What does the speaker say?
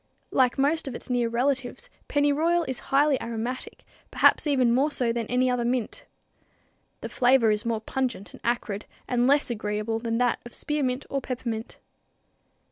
Like most of its near relatives, pennyroyal is highly aromatic, perhaps even more so than any other mint. The flavor is more pungent and acrid and less agreeable than that of spearmint or peppermint.